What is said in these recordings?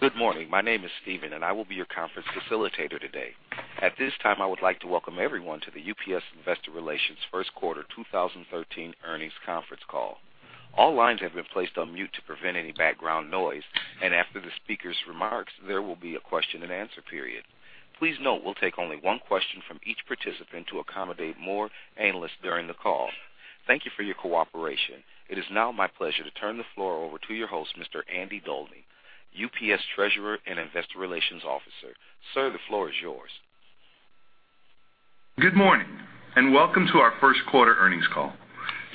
Good morning. My name is Steven, and I will be your conference facilitator today. At this time, I would like to welcome everyone to the UPS Investor Relations First Quarter 2013 Earnings Conference Call. All lines have been placed on mute to prevent any background noise, and after the speaker's remarks, there will be a question-and-answer period. Please note, we'll take only one question from each participant to accommodate more analysts during the call. Thank you for your cooperation. It is now my pleasure to turn the floor over to your host, Mr. Andy Dolny, UPS Treasurer and Investor Relations Officer. Sir, the floor is yours. Good morning, and welcome to our first quarter earnings call.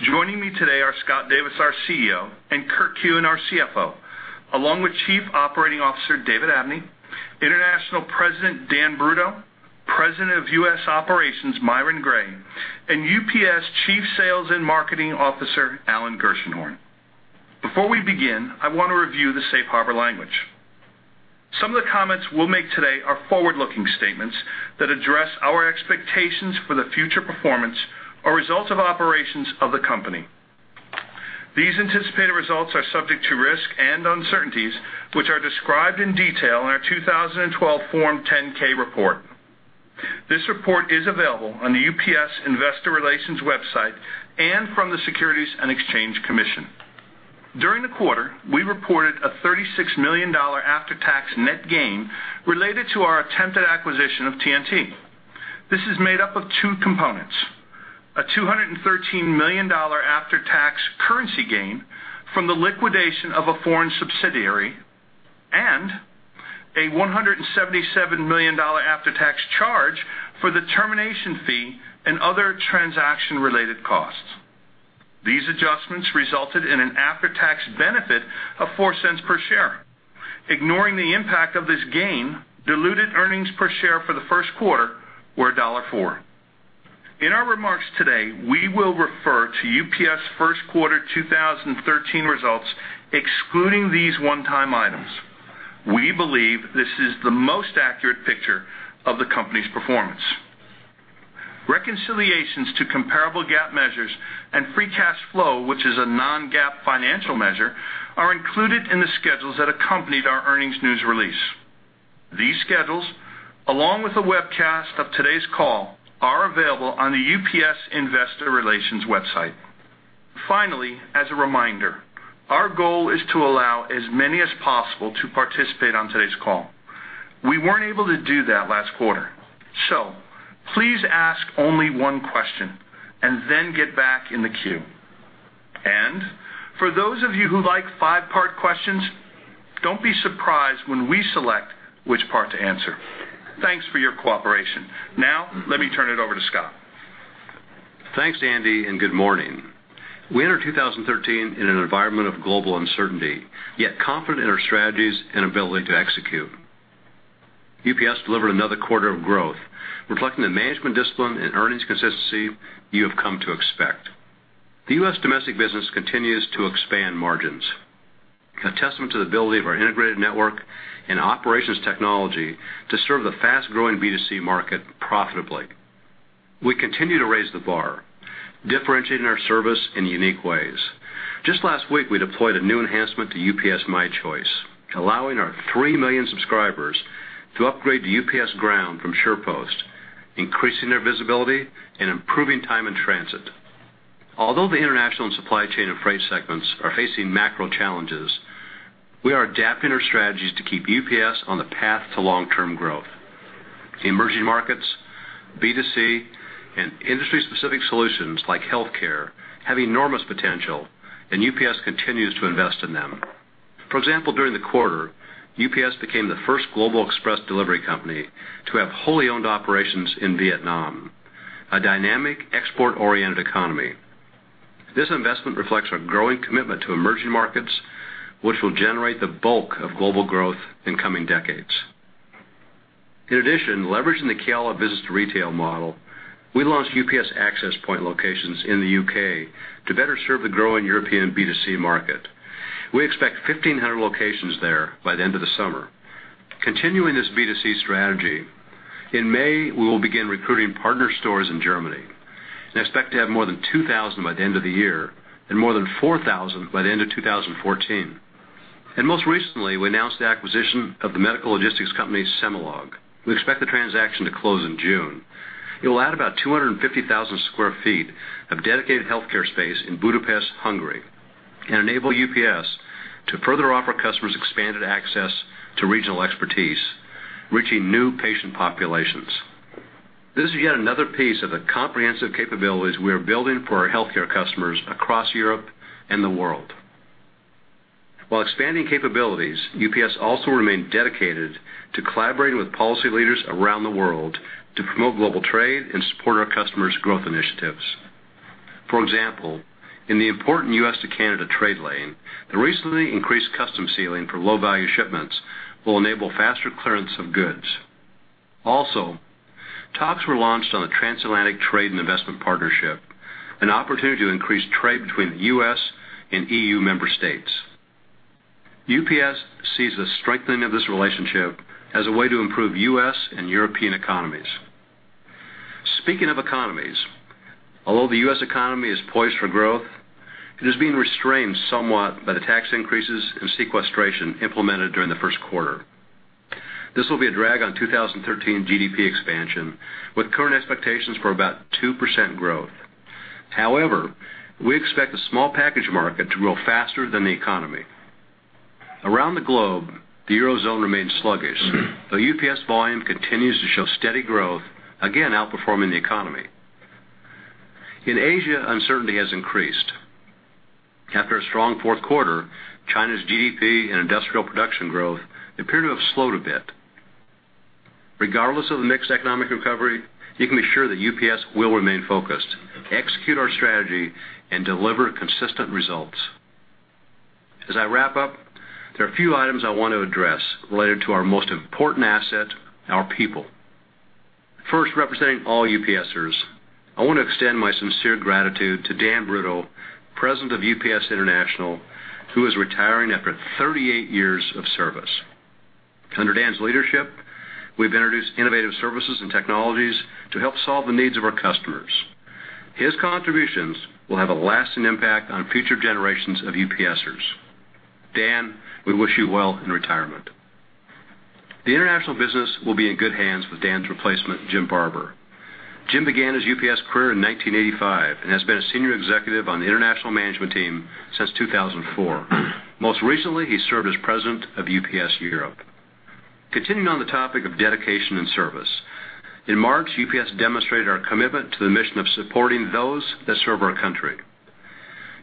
Joining me today are Scott Davis, our CEO, and Kurt Kuehn, our CFO, along with Chief Operating Officer David Abney, International President Dan Brutto, President of U.S. Operations Myron Gray, and UPS Chief Sales and Marketing Officer Alan Gershenhorn. Before we begin, I want to review the safe harbor language. Some of the comments we'll make today are forward-looking statements that address our expectations for the future performance or results of operations of the company. These anticipated results are subject to risk and uncertainties, which are described in detail in our 2012 Form 10-K report. This report is available on the UPS Investor Relations website and from the Securities and Exchange Commission. During the quarter, we reported a $36 million after-tax net gain related to our attempted acquisition of TNT. This is made up of two components, a $213 million after-tax currency gain from the liquidation of a foreign subsidiary and a $177 million after-tax charge for the termination fee and other transaction-related costs. These adjustments resulted in an after-tax benefit of $0.04 per share. Ignoring the impact of this gain, diluted earnings per share for the first quarter were $1.04. In our remarks today, we will refer to UPS' first quarter 2013 results, excluding these one-time items. We believe this is the most accurate picture of the company's performance. Reconciliations to comparable GAAP measures and free cash flow, which is a non-GAAP financial measure, are included in the schedules that accompanied our earnings news release. These schedules, along with the webcast of today's call, are available on the UPS Investor Relations website. Finally, as a reminder, our goal is to allow as many as possible to participate on today's call. We weren't able to do that last quarter, so please ask only one question and then get back in the queue. For those of you who like five-part questions, don't be surprised when we select which part to answer. Thanks for your cooperation. Now, let me turn it over to Scott. Thanks, Andy, and good morning. We entered 2013 in an environment of global uncertainty, yet, confident in our strategies and ability to execute. UPS delivered another quarter of growth, reflecting the management discipline and earnings consistency you have come to expect. The U.S. domestic business continues to expand margins, a testament to the ability of our integrated network and operations technology to serve the fast-growing B2C market profitably. We continue to raise the bar, differentiating our service in unique ways. Just last week, we deployed a new enhancement to UPS My Choice, allowing our 3 million subscribers to upgrade to UPS Ground from SurePost, increasing their visibility and improving time in transit. Although the international and supply chain and freight segments are facing macro challenges, we are adapting our strategies to keep UPS on the path to long-term growth. The emerging markets, B2C, and industry-specific solutions like healthcare, have enormous potential, and UPS continues to invest in them. For example, during the quarter, UPS became the first global express delivery company to have wholly owned operations in Vietnam, a dynamic, export-oriented economy. This investment reflects our growing commitment to emerging markets, which will generate the bulk of global growth in coming decades. In addition, leveraging the Kiala business retail model, we launched UPS Access Point locations in the U.K. to better serve the growing European B2C market. We expect 1,500 locations there by the end of the summer. Continuing this B2C strategy, in May, we will begin recruiting partner stores in Germany, and expect to have more than 2,000 by the end of the year and more than 4,000 by the end of 2014. Most recently, we announced the acquisition of the medical logistics company, Cemelog. We expect the transaction to close in June. It will add about 250,000 sq ft of dedicated healthcare space in Budapest, Hungary, and enable UPS to further offer customers expanded access to regional expertise, reaching new patient populations. This is yet another piece of the comprehensive capabilities we are building for our healthcare customers across Europe and the world. While expanding capabilities, UPS also remained dedicated to collaborating with policy leaders around the world to promote global trade and support our customers' growth initiatives. For example, in the important U.S. to Canada trade lane, the recently increased customs ceiling for low-value shipments will enable faster clearance of goods. Also, talks were launched on the Transatlantic Trade and Investment Partnership, an opportunity to increase trade between the U.S. and EU member states. UPS sees the strengthening of this relationship as a way to improve U.S. and European economies. Speaking of economies, although the U.S. economy is poised for growth, it is being restrained somewhat by the tax increases and sequestration implemented during the first quarter. This will be a drag on 2013 GDP expansion, with current expectations for about 2% growth. However, we expect the small package market to grow faster than the economy. Around the globe, the Eurozone remains sluggish, though UPS volume continues to show steady growth, again, outperforming the economy. In Asia, uncertainty has increased. After a strong fourth quarter, China's GDP and industrial production growth appear to have slowed a bit. Regardless of the mixed economic recovery, you can be sure that UPS will remain focused, execute our strategy, and deliver consistent results. As I wrap up, there are a few items I want to address related to our most important asset, our people. First, representing all UPSers, I want to extend my sincere gratitude to Dan Brutto, President of UPS International, who is retiring after 38 years of service. Under Dan's leadership, we've introduced innovative services and technologies to help solve the needs of our customers. His contributions will have a lasting impact on future generations of UPSers. Dan, we wish you well in retirement. The international business will be in good hands with Dan's replacement, Jim Barber. Jim began his UPS career in 1985 and has been a senior executive on the international management team since 2004. Most recently, he served as President of UPS Europe. Continuing on the topic of dedication and service, in March, UPS demonstrated our commitment to the mission of supporting those that serve our country.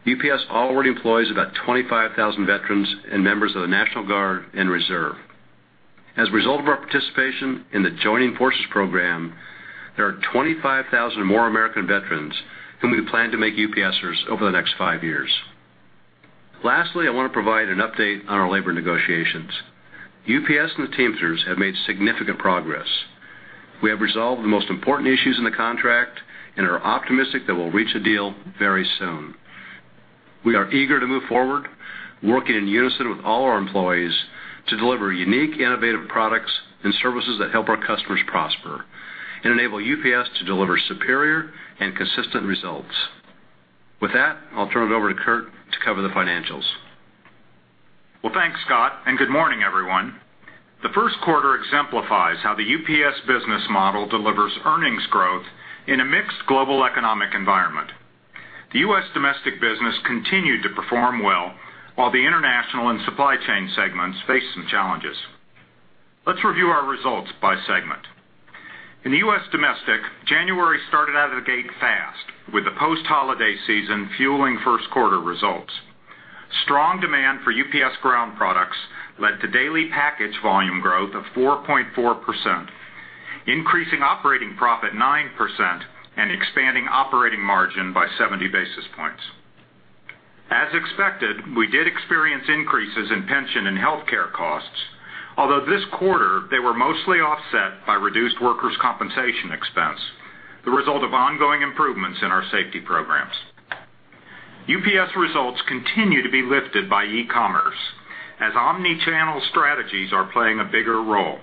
UPS already employs about 25,000 veterans and members of the National Guard and Reserve. As a result of our participation in the Joining Forces program, there are 25,000 more American veterans whom we plan to make UPSers over the next five years. Lastly, I want to provide an update on our labor negotiations. UPS and the Teamsters have made significant progress. We have resolved the most important issues in the contract and are optimistic that we'll reach a deal very soon. We are eager to move forward, working in unison with all our employees to deliver unique, innovative products and services that help our customers prosper and enable UPS to deliver superior and consistent results. With that, I'll turn it over to Kurt to cover the financials. Well, thanks, Scott, and good morning, everyone. The first quarter exemplifies how the UPS business model delivers earnings growth in a mixed global economic environment. The U.S. domestic business continued to perform well, while the international and supply chain segments faced some challenges. Let's review our results by segment. In the U.S. domestic, January started out of the gate fast, with the post-holiday season fueling first quarter results. Strong demand for UPS Ground products led to daily package volume growth of 4.4%, increasing operating profit 9% and expanding operating margin by 70 basis points. As expected, we did experience increases in pension and healthcare costs, although this quarter they were mostly offset by reduced workers' compensation expense, the result of ongoing improvements in our safety programs. UPS results continue to be lifted by e-commerce, as Omni-channel strategies are playing a bigger role.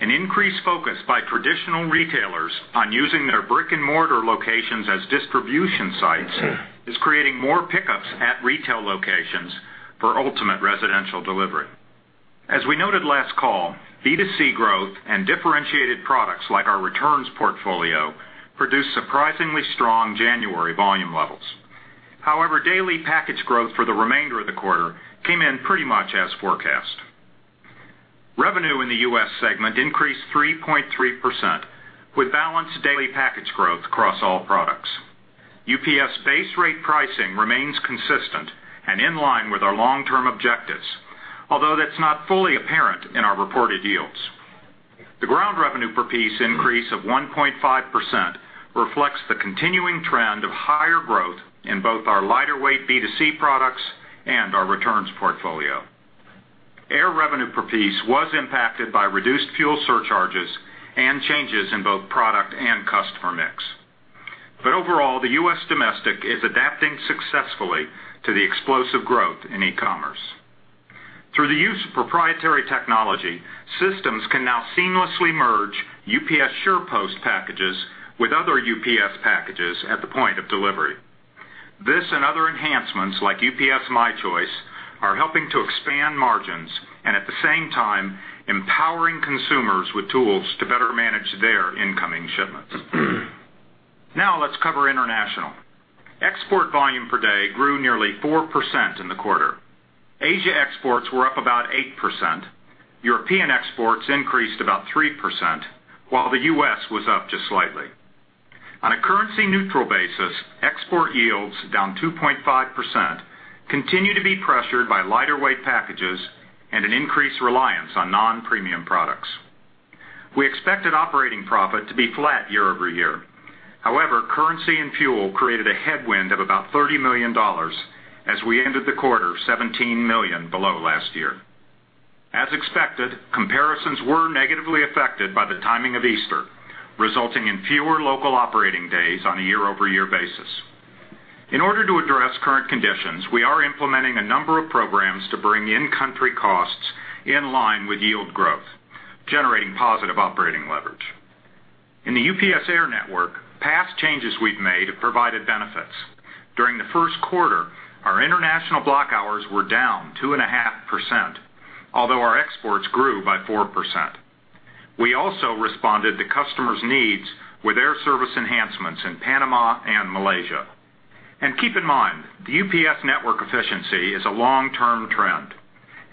An increased focus by traditional retailers on using their brick-and-mortar locations as distribution sites is creating more pickups at retail locations for ultimate residential delivery. As we noted last call, B2C growth and differentiated products like our returns portfolio produced surprisingly strong January volume levels. However, daily package growth for the remainder of the quarter came in pretty much as forecast. Revenue in the U.S. segment increased 3.3%, with balanced daily package growth across all products. UPS base rate pricing remains consistent and in line with our long-term objectives, although that's not fully apparent in our reported yields. The ground revenue per piece increase of 1.5% reflects the continuing trend of higher growth in both our lighter weight B2C products and our returns portfolio. Air revenue per piece was impacted by reduced fuel surcharges and changes in both product and customer mix. Overall, the U.S. domestic is adapting successfully to the explosive growth in e-commerce. Through the use of proprietary technology, systems can now seamlessly merge UPS SurePost packages with other UPS packages at the point of delivery. This and other enhancements, like UPS My Choice, are helping to expand margins and, at the same time, empowering consumers with tools to better manage their incoming shipments. Now let's cover international. Export volume per day grew nearly 4% in the quarter. Asia exports were up about 8%, European exports increased about 3%, while the U.S. was up just slightly. On a currency-neutral basis, export yields, down 2.5%, continue to be pressured by lighter weight packages and an increased reliance on non-premium products. We expected operating profit to be flat year-over-year. However, currency and fuel created a headwind of about $30 million as we ended the quarter $17 million below last year. As expected, comparisons were negatively affected by the timing of Easter, resulting in fewer local operating days on a year-over-year basis. In order to address current conditions, we are implementing a number of programs to bring in-country costs in line with yield growth, generating positive operating leverage. In the UPS Air network, past changes we've made have provided benefits. During the first quarter, our international block hours were down 2.5%, although our exports grew by 4%. We also responded to customers' needs with air service enhancements in Panama and Malaysia. And keep in mind, the UPS network efficiency is a long-term trend.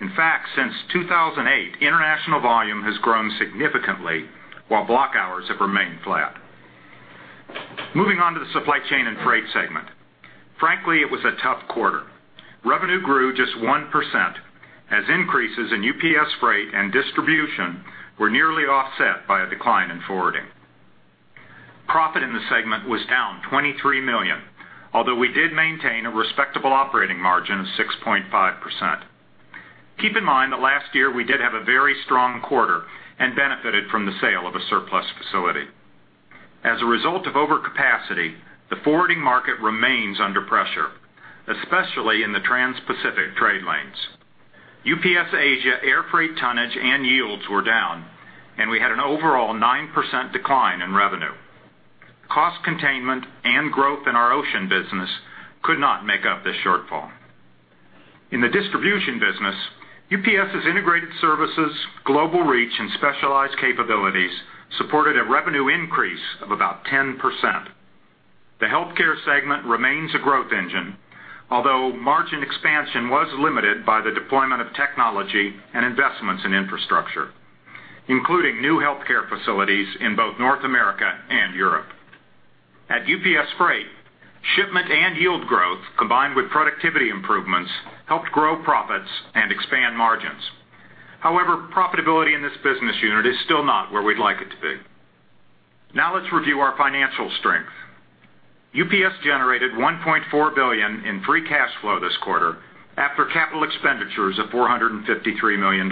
In fact, since 2008, international volume has grown significantly, while block hours have remained flat. Moving on to the Supply Chain and Freight segment. Frankly, it was a tough quarter. Revenue grew just 1%, as increases in UPS Freight and distribution were nearly offset by a decline in forwarding. Profit in the segment was down $23 million, although we did maintain a respectable operating margin of 6.5%. Keep in mind that last year, we did have a very strong quarter and benefited from the sale of a surplus facility. As a result of overcapacity, the forwarding market remains under pressure, especially in the trans-Pacific trade lanes. UPS Asia air freight tonnage and yields were down, and we had an overall 9% decline in revenue. Cost containment and growth in our ocean business could not make up this shortfall. In the distribution business, UPS's integrated services, global reach, and specialized capabilities supported a revenue increase of about 10%. The healthcare segment remains a growth engine, although margin expansion was limited by the deployment of technology and investments in infrastructure, including new healthcare facilities in both North America and Europe. At UPS Freight, shipment and yield growth, combined with productivity improvements, helped grow profits and expand margins. However, profitability in this business unit is still not where we'd like it to be. Now let's review our financial strength. UPS generated $1.4 billion in free cash flow this quarter after capital expenditures of $453 million.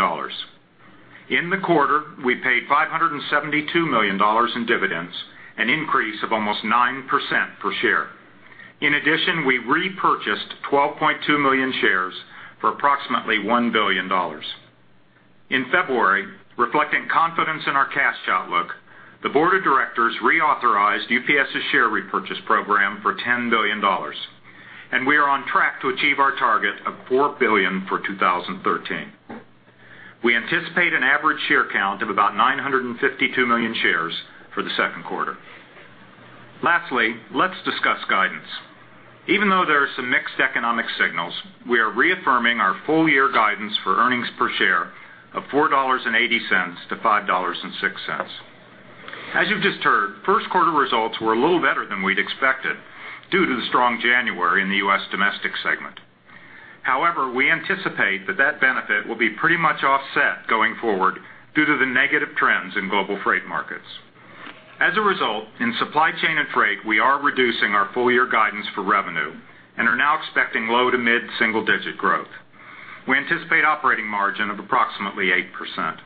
In the quarter, we paid $572 million in dividends, an increase of almost 9% per share. In addition, we repurchased 12.2 million shares for approximately $1 billion. In February, reflecting confidence in our cash outlook, the Board of Directors reauthorized UPS's share repurchase program for $10 billion, and we are on track to achieve our target of $4 billion for 2013. We anticipate an average share count of about 952 million shares for the second quarter. Lastly, let's discuss guidance. Even though there are some mixed economic signals, we are reaffirming our full-year guidance for earnings per share of $4.80-$5.06. As you've just heard, first quarter results were a little better than we'd expected due to the strong January in the U.S. Domestic segment. However, we anticipate that that benefit will be pretty much offset going forward due to the negative trends in global freight markets. As a result, in Supply Chain and Freight, we are reducing our full-year guidance for revenue and are now expecting low- to mid-single-digit growth. We anticipate operating margin of approximately 8%.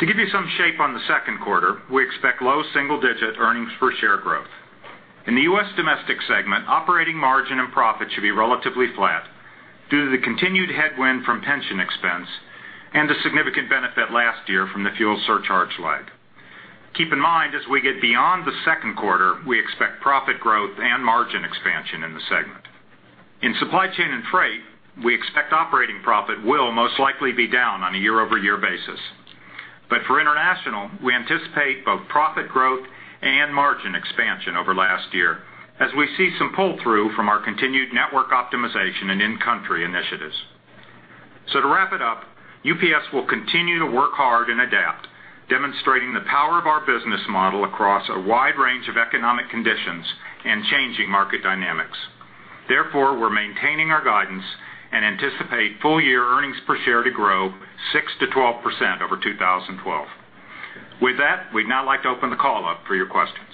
To give you some shape on the second quarter, we expect low single-digit earnings per share growth. In the U.S. Domestic segment, operating margin and profit should be relatively flat due to the continued headwind from pension expense and the significant benefit last year from the fuel surcharge lag. Keep in mind, as we get beyond the second quarter, we expect profit growth and margin expansion in the segment. In Supply Chain and Freight, we expect operating profit will most likely be down on a year-over-year basis. But for International, we anticipate both profit growth and margin expansion over last year as we see some pull-through from our continued network optimization and in-country initiatives. To wrap it up, UPS will continue to work hard and adapt, demonstrating the power of our business model across a wide range of economic conditions and changing market dynamics. Therefore, we're maintaining our guidance and anticipate full-year earnings per share to grow 6%-12% over 2012. With that, we'd now like to open the call up for your questions.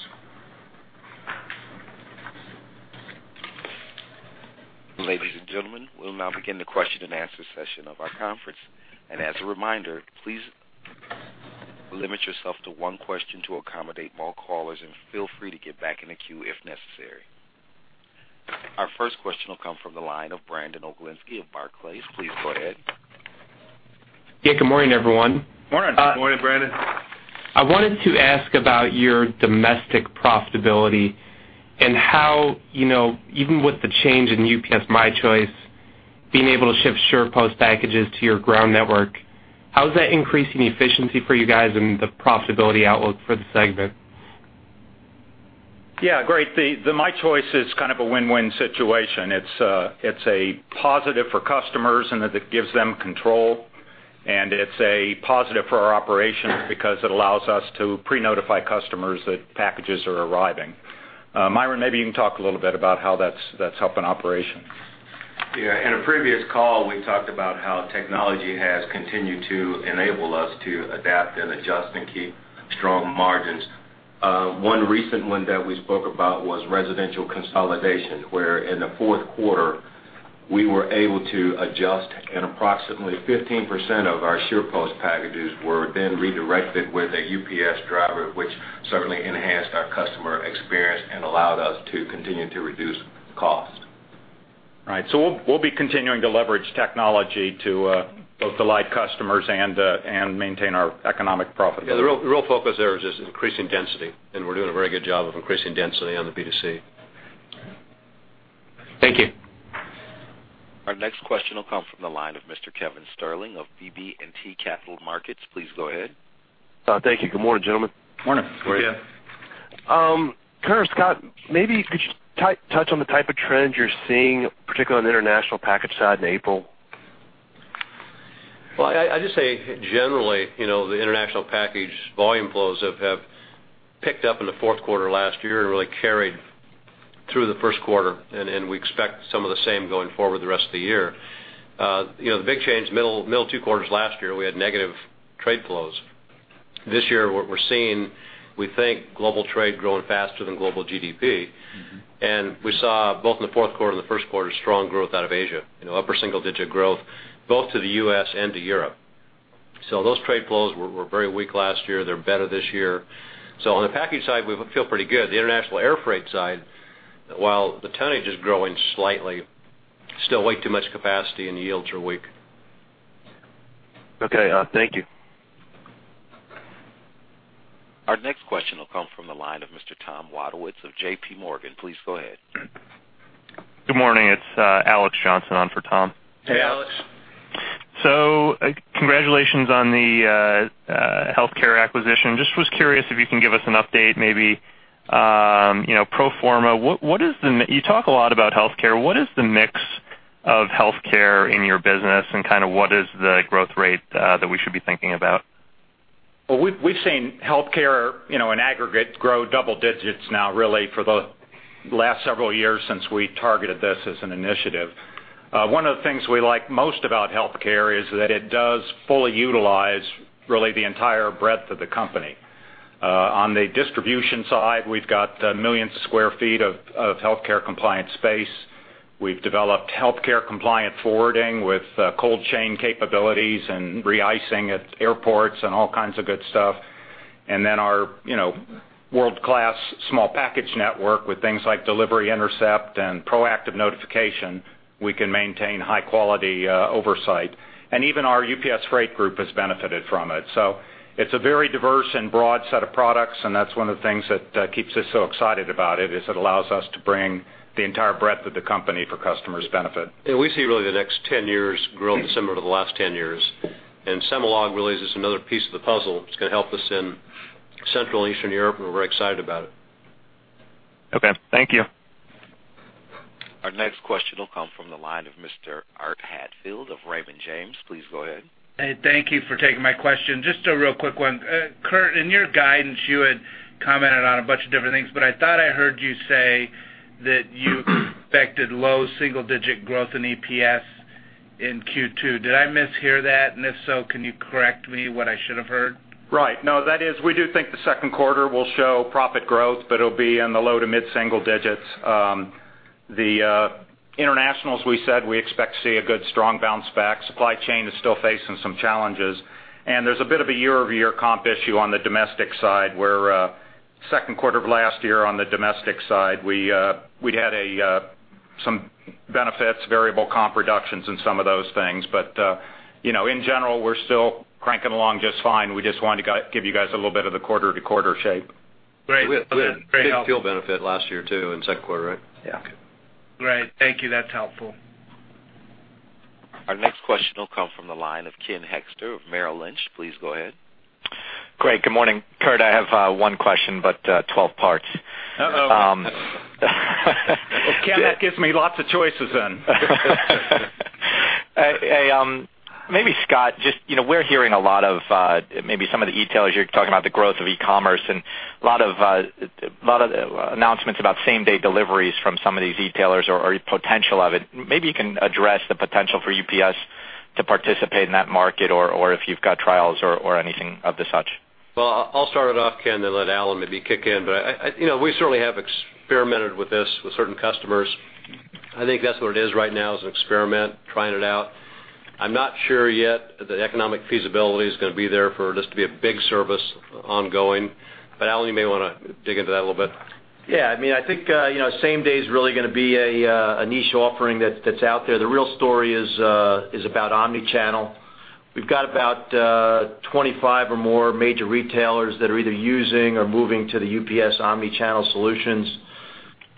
Ladies and gentlemen, we'll now begin the question-and-answer session of our conference. As a reminder, please limit yourself to one question to accommodate more callers, and feel free to get back in the queue if necessary. Our first question will come from the line of Brandon Oglenski of Barclays. Please go ahead. Yeah, good morning, everyone. Morning. Good morning, Brandon. I wanted to ask about your domestic profitability and how, you know, even with the change in UPS My Choice, being able to ship SurePost packages to your ground network, how is that increasing the efficiency for you guys and the profitability outlook for the segment? Yeah, great. The My Choice is kind of a win-win situation. It's, it's a positive for customers, and it gives them control, and it's a positive for our operations because it allows us to pre-notify customers that packages are arriving. Myron, maybe you can talk a little bit about how that's helping operations. Yeah. In a previous call, we talked about how technology has continued to enable us to adapt and adjust and keep strong margins. One recent one that we spoke about was residential consolidation, where in the fourth quarter,... we were able to adjust, and approximately 15% of our SurePost packages were then redirected with a UPS driver, which certainly enhanced our customer experience and allowed us to continue to reduce cost. Right. So we'll be continuing to leverage technology to both delight customers and maintain our economic profitability. Yeah, the real, the real focus there is just increasing density, and we're doing a very good job of increasing density on the B2C. Thank you. Our next question will come from the line of Mr. Kevin Sterling of BB&T Capital Markets. Please go ahead. Thank you. Good morning, gentlemen. Morning. Good morning. Kurt or Scott, maybe could you touch on the type of trends you're seeing, particularly on the international package side in April? Well, I, I'd just say generally, you know, the international package volume flows have picked up in the fourth quarter last year and really carried through the first quarter, and we expect some of the same going forward the rest of the year. You know, the big change, middle two quarters last year, we had negative trade flows. This year, what we're seeing, we think global trade growing faster than global GDP. Mm-hmm. We saw, both in the fourth quarter and the first quarter, strong growth out of Asia, you know, upper single digit growth, both to the U.S. and to Europe. So those trade flows were, were very weak last year. They're better this year. So on the package side, we feel pretty good. The international airfreight side, while the tonnage is growing slightly, still way too much capacity and yields are weak. Okay, thank you. Our next question will come from the line of Mr. Tom Wadowitz of JP Morgan. Please go ahead. Good morning, it's Alex Johnson on for Tom. Hey, Alex. So congratulations on the healthcare acquisition. Just was curious if you can give us an update, maybe, you know, pro forma. What is the... You talk a lot about healthcare. What is the mix of healthcare in your business, and kind of what is the growth rate that we should be thinking about? Well, we've seen healthcare, you know, in aggregate, grow double digits now really for the last several years since we targeted this as an initiative. One of the things we like most about healthcare is that it does fully utilize really the entire breadth of the company. On the distribution side, we've got millions of square feet of healthcare compliant space. We've developed healthcare compliant forwarding with cold chain capabilities and re-icing at airports and all kinds of good stuff. And then our, you know, world-class small package network with things like delivery intercept and proactive notification, we can maintain high quality oversight. And even our UPS Freight group has benefited from it. So it's a very diverse and broad set of products, and that's one of the things that keeps us so excited about it, is it allows us to bring the entire breadth of the company for customers' benefit. We see really the next 10 years growing similar to the last 10 years. Cemelog really is just another piece of the puzzle. It's going to help us in Central and Eastern Europe, and we're very excited about it. Okay. Thank you. Our next question will come from the line of Mr. Art Hatfield of Raymond James. Please go ahead. Hey, thank you for taking my question. Just a real quick one. Kurt, in your guidance, you had commented on a bunch of different things, but I thought I heard you say that you expected low single digit growth in EPS in Q2. Did I mishear that? And if so, can you correct me what I should have heard? Right. No, that is, we do think the second quarter will show profit growth, but it'll be in the low to mid single digits. The international, as we said, we expect to see a good, strong bounce back. Supply chain is still facing some challenges, and there's a bit of a year-over-year comp issue on the domestic side, where second quarter of last year on the domestic side, we'd had some benefits, variable comp reductions and some of those things. But you know, in general, we're still cranking along just fine. We just wanted to give you guys a little bit of the quarter-to-quarter shape. Great. We had a big fuel benefit last year, too, in the second quarter, right? Yeah. Great. Thank you. That's helpful. Our next question will come from the line of Ken Hoexter of Merrill Lynch. Please go ahead. Great. Good morning, Kurt, I have one question, but 12 parts. Uh-oh. Ken, that gives me lots of choices then. Hey, maybe, Scott, just, you know, we're hearing a lot of, maybe some of the retailers, you're talking about the growth of e-commerce and a lot of, a lot of announcements about same-day deliveries from some of these retailers or, or potential of it. Maybe you can address the potential for UPS to participate in that market or, or if you've got trials or, or anything of the such. Well, I'll start it off, Ken, then let Alan maybe kick in. But you know, we certainly have experimented with this with certain customers. I think that's what it is right now, is an experiment, trying it out. I'm not sure yet that the economic feasibility is going to be there for this to be a big service ongoing, but Alan, you may want to dig into that a little bit. Yeah, I mean, I think, you know, same day is really going to be a niche offering that's out there. The real story is about Omni-channel. We've got about 25 or more major retailers that are either using or moving to the UPS Omni-channel solutions.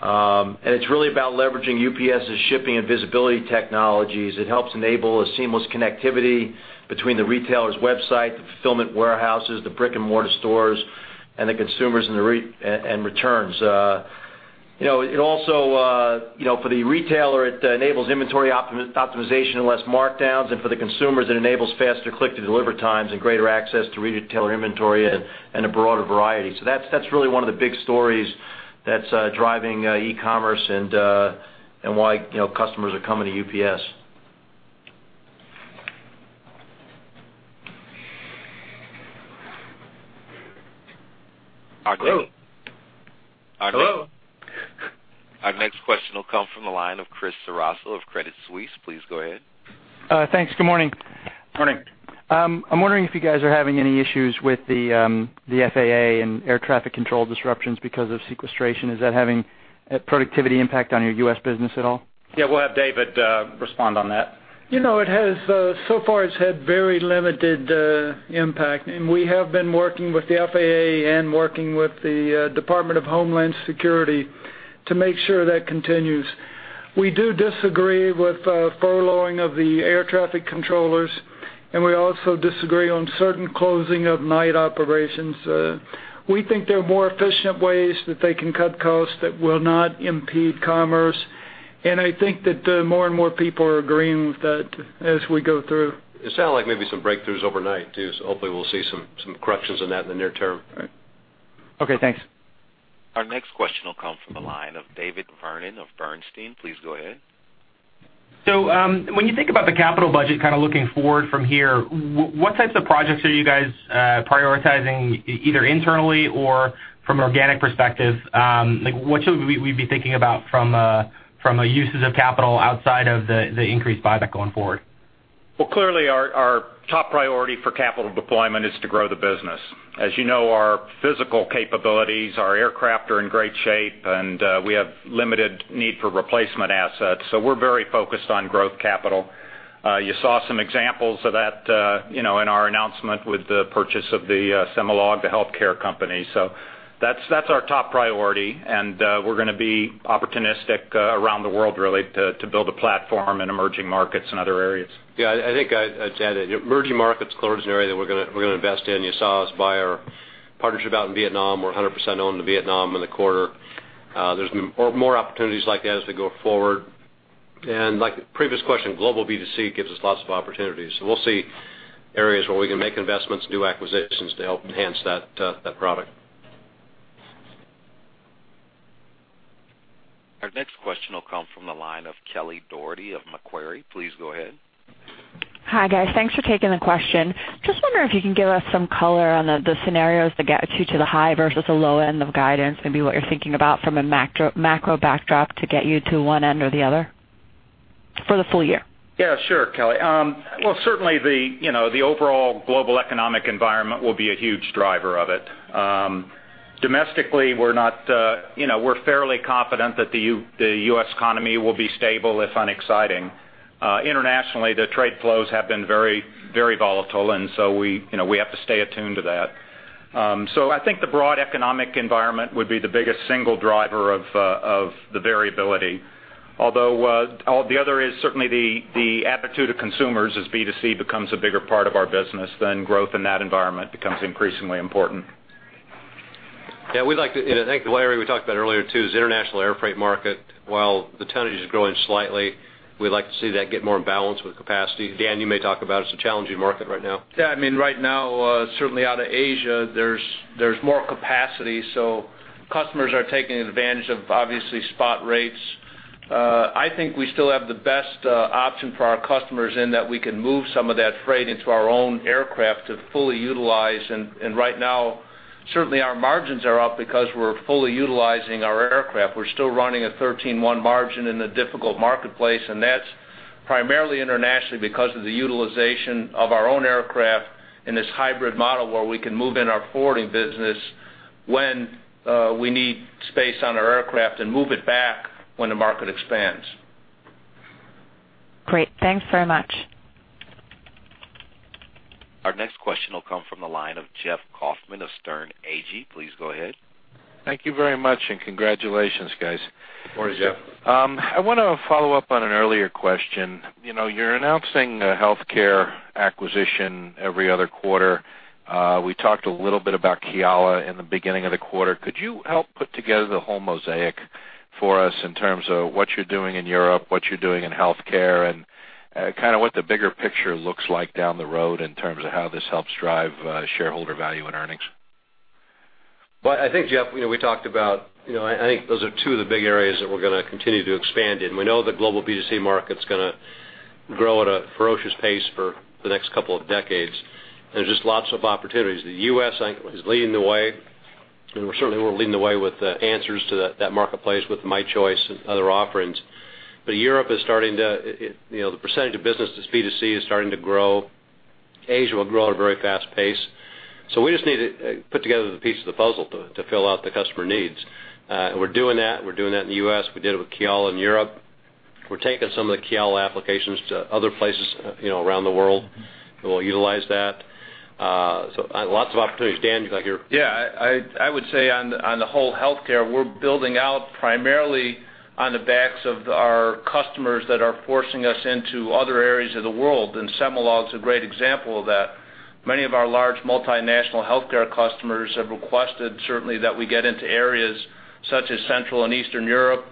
And it's really about leveraging UPS's shipping and visibility technologies. It helps enable a seamless connectivity between the retailer's website, the fulfillment warehouses, the brick-and-mortar stores, and the consumers and the returns. You know, it also, you know, for the retailer, it enables inventory optimization and less markdowns, and for the consumers, it enables faster click-to-deliver times and greater access to retailer inventory and a broader variety. So that's, that's really one of the big stories that's driving e-commerce and why, you know, customers are coming to UPS.... Hello? Our next question will come from the line of Chris Ceraso of Credit Suisse. Please go ahead. Thanks. Good morning. Morning. I'm wondering if you guys are having any issues with the FAA and air traffic control disruptions because of sequestration? Is that having a productivity impact on your U.S. business at all? Yeah, we'll have David respond on that. You know, it has, so far, it's had very limited impact. And we have been working with the FAA and working with the Department of Homeland Security to make sure that continues. We do disagree with furloughing of the air traffic controllers, and we also disagree on certain closing of night operations. We think there are more efficient ways that they can cut costs that will not impede commerce, and I think that more and more people are agreeing with that as we go through. It sounds like maybe some breakthroughs overnight, too, so hopefully we'll see some corrections on that in the near term. All right. Okay, thanks. Our next question will come from the line of David Vernon of Bernstein. Please go ahead. So, when you think about the capital budget, kind of looking forward from here, what types of projects are you guys prioritizing, either internally or from an organic perspective? Like, what should we be thinking about from, from a uses of capital outside of the increased buyback going forward? Well, clearly, our top priority for capital deployment is to grow the business. As you know, our physical capabilities, our aircraft are in great shape, and we have limited need for replacement assets, so we're very focused on growth capital. You saw some examples of that, you know, in our announcement with the purchase of the Cemelog, the healthcare company. So that's our top priority, and we're going to be opportunistic around the world, really, to build a platform in emerging markets and other areas. Yeah, I think I'd add that emerging markets, clearly, is an area that we're going to invest in. You saw us buy our partnership out in Vietnam. We're 100% owned in Vietnam in the quarter. There are more opportunities like that as we go forward. Like the previous question, global B2C gives us lots of opportunities, so we'll see areas where we can make investments, do acquisitions to help enhance that product. Our next question will come from the line of Kelly Dougherty of Macquarie. Please go ahead. Hi, guys. Thanks for taking the question. Just wondering if you can give us some color on the scenarios that get you to the high versus the low end of guidance, maybe what you're thinking about from a macro backdrop to get you to one end or the other? For the full year. Yeah, sure, Kelly. Well, certainly the, you know, the overall global economic environment will be a huge driver of it. Domestically, we're not, you know, we're fairly confident that the U.S. economy will be stable, if unexciting. Internationally, the trade flows have been very, very volatile, and so we, you know, we have to stay attuned to that. So I think the broad economic environment would be the biggest single driver of the variability. Although, all the other is certainly the, the aptitude of consumers as B2C becomes a bigger part of our business, then growth in that environment becomes increasingly important. Yeah, we'd like to, and I think, Larry, we talked about earlier, too, is international air freight market, while the tonnage is growing slightly, we'd like to see that get more in balance with capacity. Dan, you may talk about. It's a challenging market right now. Yeah, I mean, right now, certainly out of Asia, there's more capacity, so customers are taking advantage of, obviously, spot rates. I think we still have the best option for our customers in that we can move some of that freight into our own aircraft to fully utilize. And right now, certainly our margins are up because we're fully utilizing our aircraft. We're still running a 13.1 margin in a difficult marketplace, and that's primarily internationally because of the utilization of our own aircraft in this hybrid model, where we can move in our forwarding business when we need space on our aircraft and move it back when the market expands. Great. Thanks very much. Our next question will come from the line of Jeff Kauffman of Sterne Agee. Please go ahead. Thank you very much, and congratulations, guys. Good morning, Jeff. I want to follow up on an earlier question. You know, you're announcing a healthcare acquisition every other quarter. We talked a little bit about Kiala in the beginning of the quarter. Could you help put together the whole mosaic for us in terms of what you're doing in Europe, what you're doing in healthcare, and kind of what the bigger picture looks like down the road in terms of how this helps drive shareholder value and earnings? Well, I think, Jeff, you know, we talked about, you know, I think those are two of the big areas that we're going to continue to expand in. We know the global B2C market's going to grow at a ferocious pace for the next couple of decades, and there's just lots of opportunities. The U.S., I think, is leading the way, and we're certainly leading the way with the answers to that marketplace with My Choice and other offerings. But Europe is starting to, it, you know, the percentage of business that's B2C is starting to grow. Asia will grow at a very fast pace. So we just need to put together the piece of the puzzle to fill out the customer needs. And we're doing that, we're doing that in the U.S., we did it with Kiala in Europe. We're taking some of the Kiala applications to other places, you know, around the world, and we'll utilize that. Lots of opportunities. Dan, you got your- Yeah, I would say on the whole healthcare, we're building out primarily on the backs of our customers that are forcing us into other areas of the world, and Cemelog is a great example of that. Many of our large multinational healthcare customers have requested, certainly, that we get into areas such as Central and Eastern Europe.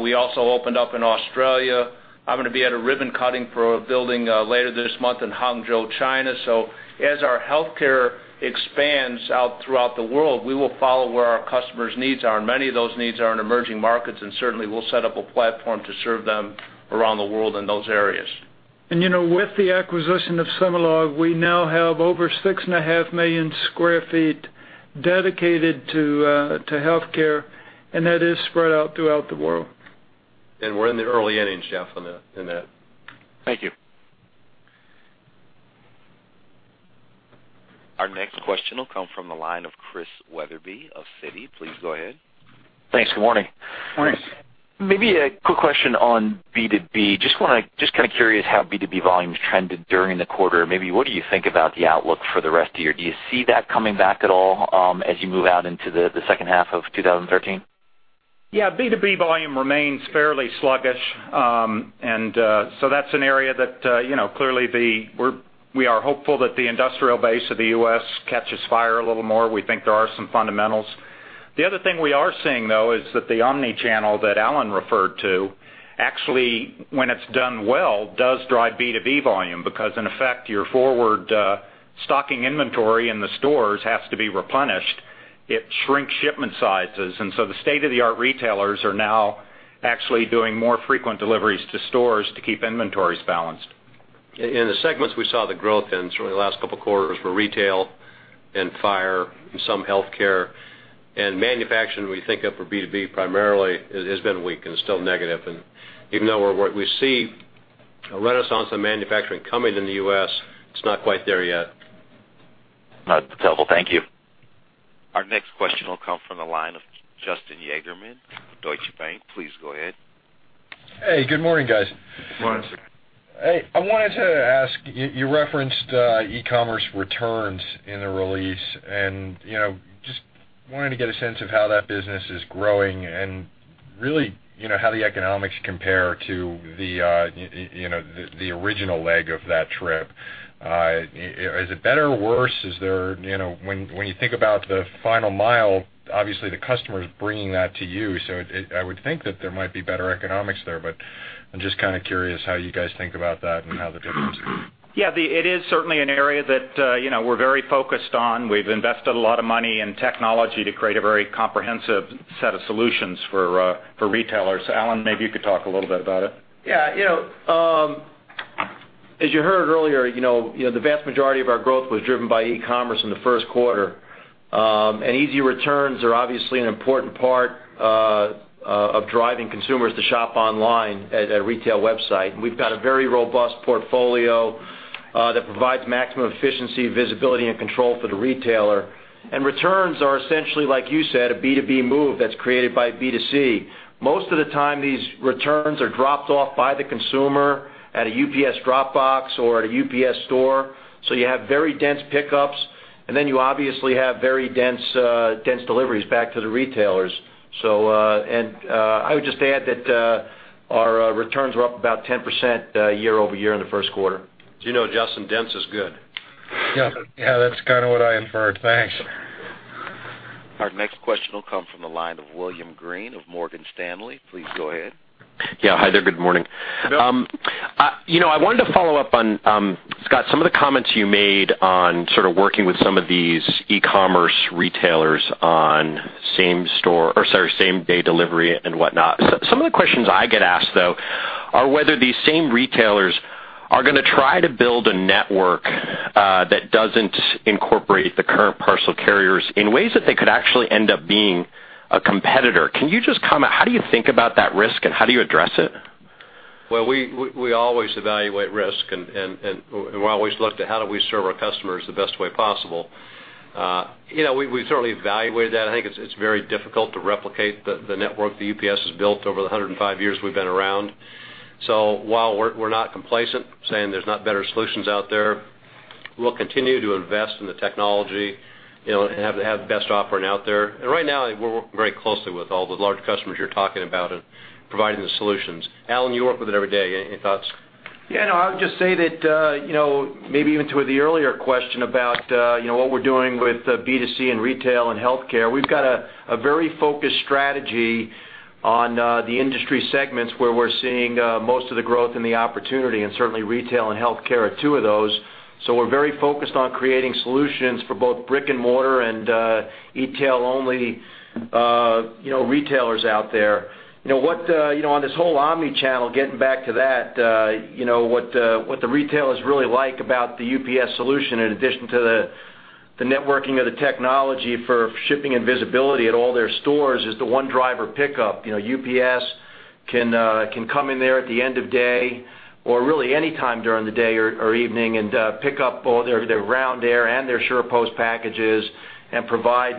We also opened up in Australia. I'm going to be at a ribbon cutting for a building later this month in Hangzhou, China. So as our healthcare expands out throughout the world, we will follow where our customers' needs are, and many of those needs are in emerging markets, and certainly we'll set up a platform to serve them around the world in those areas.... And, you know, with the acquisition of Cemelog, we now have over 6.5 million sq ft dedicated to, to healthcare, and that is spread out throughout the world. We're in the early innings, Jeff, on the, in that. Thank you. Our next question will come from the line of Chris Wetherbee of Citi. Please go ahead. Thanks. Good morning. Morning. Maybe a quick question on B2B. Just kind of curious how B2B volumes trended during the quarter. Maybe what do you think about the outlook for the rest of the year? Do you see that coming back at all, as you move out into the second half of 2013? Yeah, B2B volume remains fairly sluggish. And so that's an area that, you know, clearly we're, we are hopeful that the industrial base of the U.S. catches fire a little more. We think there are some fundamentals. The other thing we are seeing, though, is that the Omni-channel that Alan referred to, actually, when it's done well, does drive B2B volume, because in effect, your forward stocking inventory in the stores has to be replenished. It shrinks shipment sizes, and so the state-of-the-art retailers are now actually doing more frequent deliveries to stores to keep inventories balanced. In the segments, we saw the growth in certainly the last couple of quarters were retail and fire and some healthcare. Manufacturing, we think of for B2B primarily, has been weak and it's still negative. Even though we see a renaissance in manufacturing coming in the U.S., it's not quite there yet. Not helpful. Thank you. Our next question will come from the line of Justin Yagerman, Deutsche Bank. Please go ahead. Hey, good morning, guys. Good morning. Hey, I wanted to ask, you referenced e-commerce returns in the release, and, you know, just wanted to get a sense of how that business is growing and really, you know, how the economics compare to the, you know, the original leg of that trip. Is it better or worse? Is there... You know, when you think about the final mile, obviously the customer is bringing that to you, so it, I would think that there might be better economics there. But I'm just kind of curious how you guys think about that and how the difference is. Yeah, it is certainly an area that, you know, we're very focused on. We've invested a lot of money in technology to create a very comprehensive set of solutions for, for retailers. Alan, maybe you could talk a little bit about it. Yeah, you know, as you heard earlier, you know, you know, the vast majority of our growth was driven by e-commerce in the first quarter. And easy returns are obviously an important part of driving consumers to shop online at a retail website. And we've got a very robust portfolio that provides maximum efficiency, visibility, and control for the retailer. And returns are essentially, like you said, a B2B move that's created by B2C. Most of the time, these returns are dropped off by the consumer at a UPS drop box or at a UPS store, so you have very dense pickups, and then you obviously have very dense deliveries back to the retailers. I would just add that our returns were up about 10% year-over-year in the first quarter. As you know, Justin, dense is good. Yeah. Yeah, that's kind of what I inferred. Thanks. Our next question will come from the line of William Greene of Morgan Stanley. Please go ahead. Yeah. Hi there, good morning. Bill. You know, I wanted to follow up on, Scott, some of the comments you made on sort of working with some of these e-commerce retailers on same store, or sorry, same-day delivery and whatnot. So some of the questions I get asked, though, are whether these same retailers are going to try to build a network, that doesn't incorporate the current parcel carriers in ways that they could actually end up being a competitor. Can you just comment, how do you think about that risk, and how do you address it? Well, we always evaluate risk, and we always look to how do we serve our customers the best way possible? You know, we certainly evaluate that. I think it's very difficult to replicate the network that UPS has built over the 105 years we've been around. So while we're not complacent, saying there's not better solutions out there, we'll continue to invest in the technology, you know, and have the best offering out there. And right now, we're working very closely with all the large customers you're talking about and providing the solutions. Alan, you work with it every day. Any thoughts? Yeah, no, I would just say that, you know, maybe even to the earlier question about, you know, what we're doing with B2C and retail and healthcare, we've got a very focused strategy on, the industry segments where we're seeing, most of the growth and the opportunity, and certainly, retail and healthcare are two of those. So we're very focused on creating solutions for both brick-and-mortar and, e-tail-only, you know, retailers out there. You know, what, you know, on this whole omni-channel, getting back to that, you know, what, what the retailers really like about the UPS solution, in addition to the, the networking of the technology for shipping and visibility at all their stores, is the one driver pickup. You know, UPS can come in there at the end of day or really anytime during the day or evening and pick up all their ground air and their SurePost packages and provide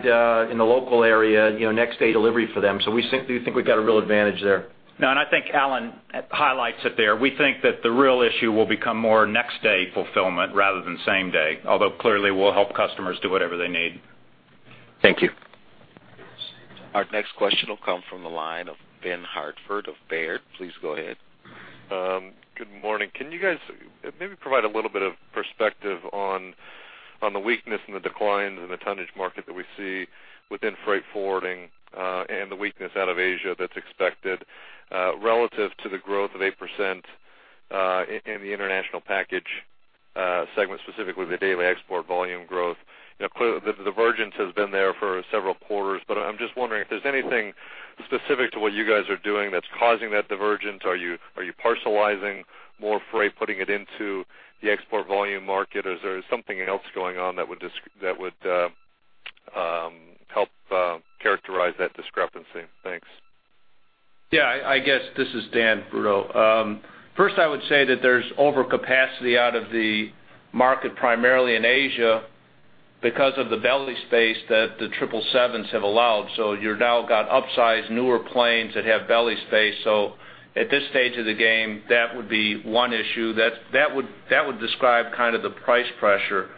in the local area, you know, next-day delivery for them. So we think we've got a real advantage there. No, and I think Alan highlights it there. We think that the real issue will become more next-day fulfillment rather than same day, although clearly, we'll help customers do whatever they need. Thank you. Our next question will come from the line of Ben Hartford of Baird. Please go ahead. Good morning. Can you guys maybe provide a little bit of perspective on the weakness and the declines in the tonnage market that we see within freight forwarding, and the weakness out of Asia that's expected, relative to the growth of 8%, in the international package?... segment, specifically the daily export volume growth. You know, clearly, the divergence has been there for several quarters, but I'm just wondering if there's anything specific to what you guys are doing that's causing that divergence. Are you, are you parcelizing more freight, putting it into the export volume market? Or is there something else going on that would just- that would help characterize that discrepancy? Thanks. Yeah, I guess this is Dan Brutto. First, I would say that there's overcapacity out of the market, primarily in Asia, because of the belly space that the triple sevens have allowed. So you've now got upsized, newer planes that have belly space. So at this stage of the game, that would be one issue. That would describe kind of the price pressure.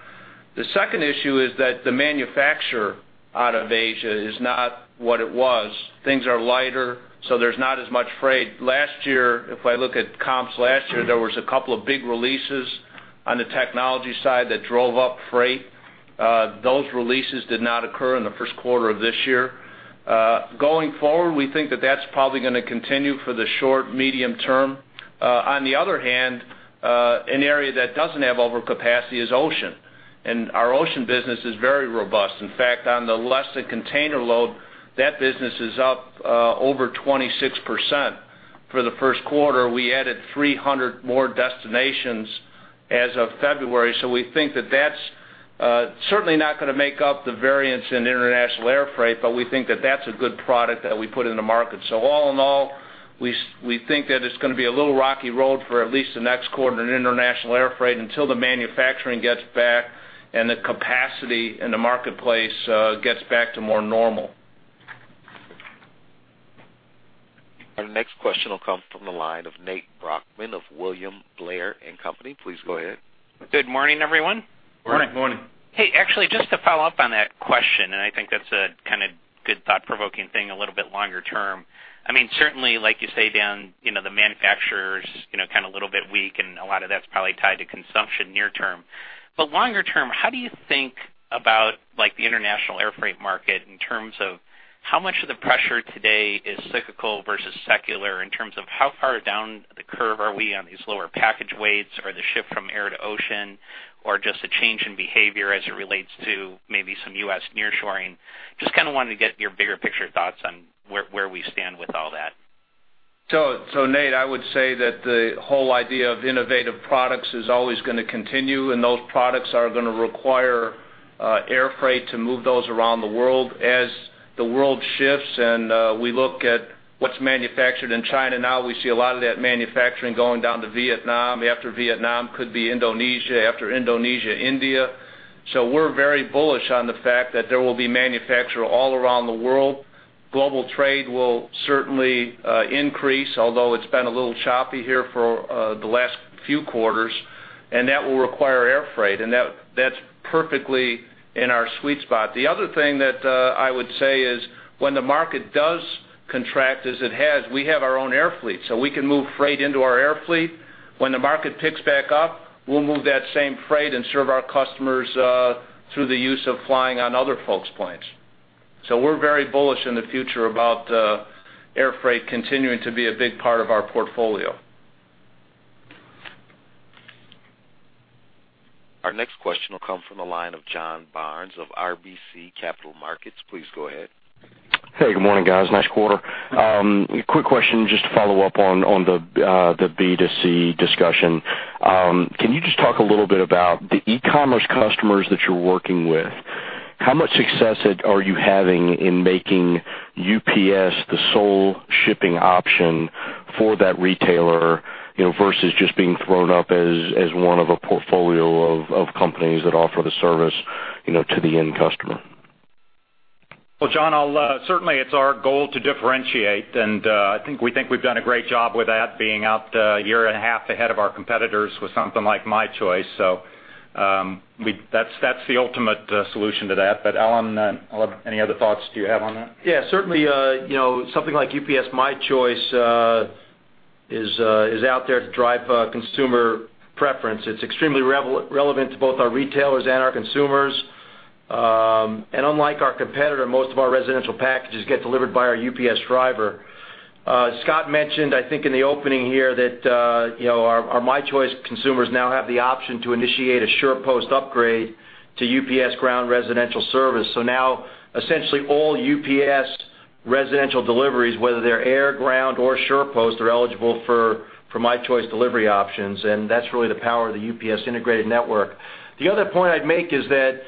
The second issue is that the manufacture out of Asia is not what it was. Things are lighter, so there's not as much freight. Last year, if I look at comps last year, there was a couple of big releases on the technology side that drove up freight. Those releases did not occur in the first quarter of this year. Going forward, we think that that's probably going to continue for the short, medium term. On the other hand, an area that doesn't have overcapacity is ocean, and our ocean business is very robust. In fact, on the less than container load, that business is up over 26%. For the first quarter, we added 300 more destinations as of February, so we think that that's certainly not going to make up the variance in international airfreight, but we think that that's a good product that we put in the market. So all in all, we think that it's going to be a little rocky road for at least the next quarter in international airfreight until the manufacturing gets back and the capacity in the marketplace gets back to more normal. Our next question will come from the line of Nate Brochmann of William Blair & Company. Please go ahead. Good morning, everyone. Morning. Morning. Hey, actually, just to follow up on that question, and I think that's a kind of good thought-provoking thing, a little bit longer term. I mean, certainly, like you say, Dan, you know, the manufacturers, you know, kind of a little bit weak, and a lot of that's probably tied to consumption near term. But longer term, how do you think about, like, the international airfreight market in terms of how much of the pressure today is cyclical versus secular, in terms of how far down the curve are we on these lower package weights or the shift from air to ocean, or just a change in behavior as it relates to maybe some U.S. nearshoring? Just kind of wanted to get your bigger picture thoughts on where, where we stand with all that. So, so Nate, I would say that the whole idea of innovative products is always going to continue, and those products are going to require air freight to move those around the world. As the world shifts and we look at what's manufactured in China now, we see a lot of that manufacturing going down to Vietnam. After Vietnam, could be Indonesia, after Indonesia, India. So we're very bullish on the fact that there will be manufacture all around the world. Global trade will certainly increase, although it's been a little choppy here for the last few quarters, and that will require air freight, and that, that's perfectly in our sweet spot. The other thing that I would say is, when the market does contract as it has, we have our own air fleet, so we can move freight into our air fleet. When the market picks back up, we'll move that same freight and serve our customers through the use of flying on other folks' planes. So we're very bullish in the future about air freight continuing to be a big part of our portfolio. Our next question will come from the line of John Barnes of RBC Capital Markets. Please go ahead. Hey, good morning, guys. Nice quarter. Quick question just to follow up on the B2C discussion. Can you just talk a little bit about the e-commerce customers that you're working with? How much success are you having in making UPS the sole shipping option for that retailer, you know, versus just being thrown up as one of a portfolio of companies that offer the service, you know, to the end customer? Well, John, I'll certainly it's our goal to differentiate, and I think we think we've done a great job with that, being out a year and a half ahead of our competitors with something like My Choice. So, that's, that's the ultimate solution to that. But Alan, any other thoughts do you have on that? Yeah, certainly, you know, something like UPS My Choice is out there to drive consumer preference. It's extremely relevant to both our retailers and our consumers. And unlike our competitor, most of our residential packages get delivered by our UPS driver. Scott mentioned, I think, in the opening here, that, you know, our, our My Choice consumers now have the option to initiate a SurePost upgrade to UPS Ground Residential service. So now, essentially all UPS residential deliveries, whether they're air, ground, or SurePost, are eligible for, for My Choice delivery options, and that's really the power of the UPS integrated network. The other point I'd make is that,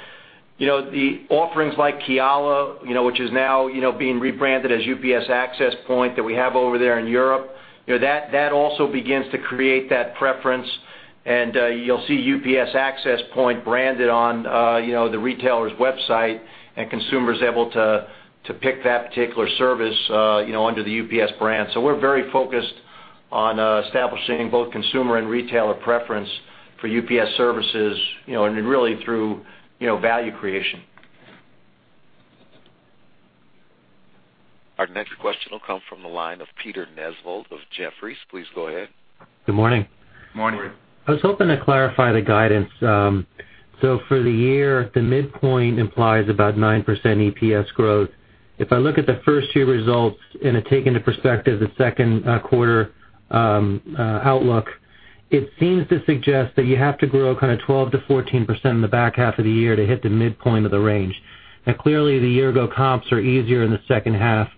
you know, the offerings like Kiala, you know, which is now, you know, being rebranded as UPS Access Point that we have over there in Europe, you know, that also begins to create that preference. And, you'll see UPS Access Point branded on, you know, the retailer's website, and consumers able to pick that particular service, you know, under the UPS brand. So we're very focused on establishing both consumer and retailer preference for UPS services, you know, and really through, you know, value creation. Our next question will come from the line of Peter Nesvold of Jefferies. Please go ahead. Good morning. Morning. Morning. I was hoping to clarify the guidance. So for the year, the midpoint implies about 9% EPS growth. If I look at the first two results and I take into perspective the second quarter outlook, it seems to suggest that you have to grow kind of 12%-14% in the back half of the year to hit the midpoint of the range. Now, clearly, the year-ago comps are easier in the second half.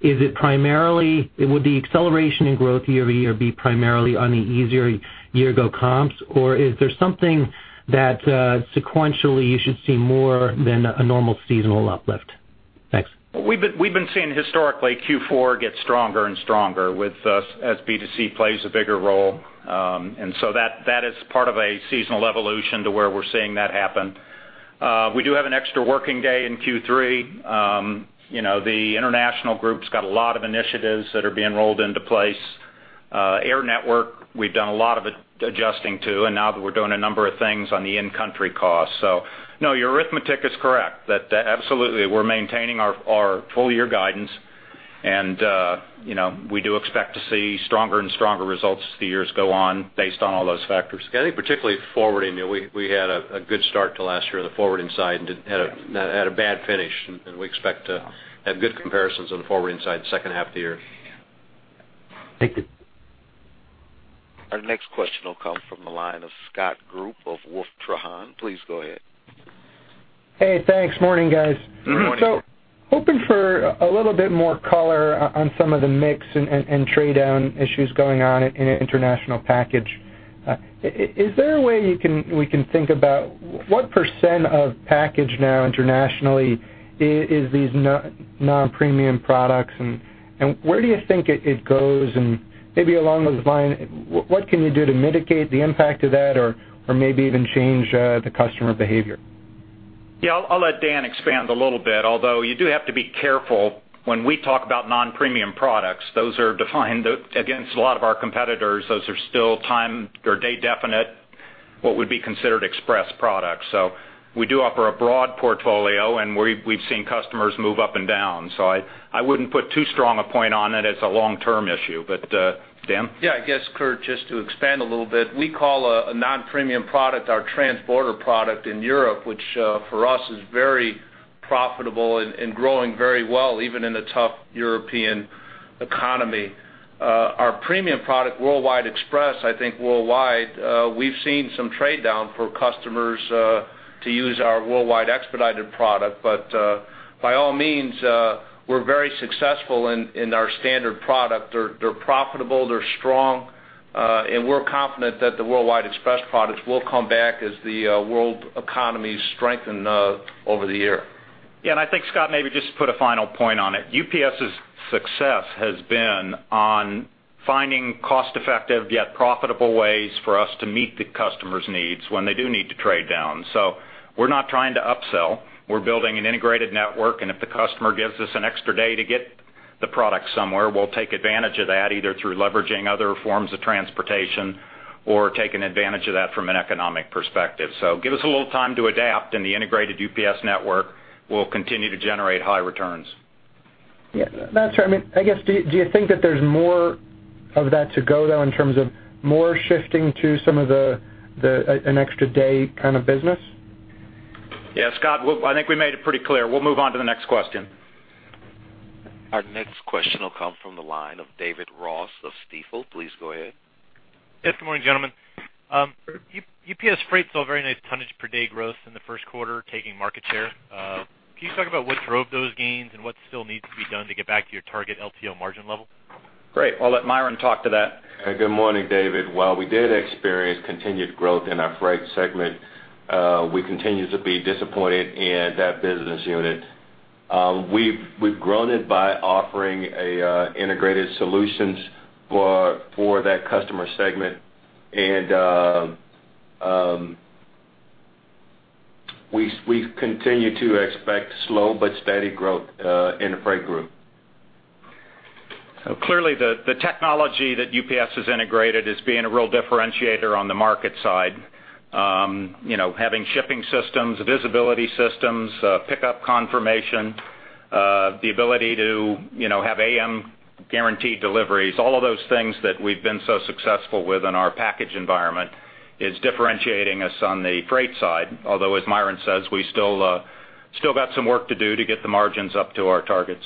Is it primarily would the acceleration in growth year-over-year be primarily on the easier year-ago comps? Or is there something that sequentially you should see more than a normal seasonal uplift? Thanks. We've been, we've been seeing historically, Q4 get stronger and stronger with us as B2C plays a bigger role. And so that, that is part of a seasonal evolution to where we're seeing that happen. We do have an extra working day in Q3. You know, the international group's got a lot of initiatives that are being rolled into place. Air Network, we've done a lot of it, adjusting to, and now that we're doing a number of things on the in-country cost. So no, your arithmetic is correct. That, that absolutely, we're maintaining our, our full year guidance, and, you know, we do expect to see stronger and stronger results as the years go on, based on all those factors. I think particularly forwarding, we had a good start to last year on the forwarding side, and had a bad finish, and we expect to have good comparisons on the forwarding side the second half of the year. Thank you. Our next question will come from the line of Scott Group of Wolfe Trahan. Please go ahead. Hey, thanks. Morning, guys. Good morning. So hoping for a little bit more color on some of the mix and trade-down issues going on in the international package. Is there a way we can think about what % of package now internationally is these non-premium products? And where do you think it goes? And maybe along those lines, what can you do to mitigate the impact of that or maybe even change the customer behavior? Yeah, I'll let Dan expand a little bit, although you do have to be careful when we talk about non-premium products. Those are defined against a lot of our competitors. Those are still time or day definite, what would be considered express products. So we do offer a broad portfolio, and we've seen customers move up and down, so I wouldn't put too strong a point on it as a long-term issue. But, Dan? Yeah, I guess, Kurt, just to expand a little bit, we call a non-premium product, our transborder product in Europe, which, for us, is very profitable and growing very well, even in a tough European economy. Our premium product, Worldwide Express, I think worldwide, we've seen some trade down for customers to use our Worldwide Expedited product. But, by all means, we're very successful in our standard product. They're profitable, they're strong, and we're confident that the Worldwide Express products will come back as the world economy strengthen over the year. Yeah, and I think, Scott, maybe just to put a final point on it. UPS's success has been on finding cost-effective, yet profitable ways for us to meet the customer's needs when they do need to trade down. So we're not trying to upsell. We're building an integrated network, and if the customer gives us an extra day to get the product somewhere, we'll take advantage of that, either through leveraging other forms of transportation or taking advantage of that from an economic perspective. So give us a little time to adapt, and the integrated UPS network will continue to generate high returns. Yeah, that's fair. I mean, I guess, do you, do you think that there's more of that to go, though, in terms of more shifting to some of the, the... an extra day kind of business? Yeah, Scott, well, I think we made it pretty clear. We'll move on to the next question. Our next question will come from the line of David Ross of Stifel. Please go ahead. Yes, good morning, gentlemen. UPS Freight saw a very nice tonnage per day growth in the first quarter, taking market share. Can you talk about what drove those gains and what still needs to be done to get back to your target LTL margin level? Great. I'll let Myron talk to that. Good morning, David. While we did experience continued growth in our freight segment, we continue to be disappointed in that business unit. We've grown it by offering a integrated solutions for that customer segment, and we continue to expect slow but steady growth in the freight group. So clearly, the technology that UPS has integrated is being a real differentiator on the market side. You know, having shipping systems, visibility systems, pickup confirmation, the ability to, you know, have AM guaranteed deliveries, all of those things that we've been so successful with in our package environment is differentiating us on the freight side. Although, as Myron says, we still got some work to do to get the margins up to our targets.